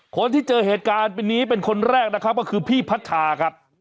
คนที่เจอเหตุการณ์เป็นนี้เป็นคนแรกนะครับก็คือพี่พัชชาครับ